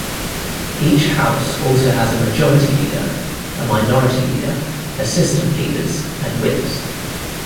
Each house also has a Majority Leader, a Minority Leader, assistant Leaders, and whips.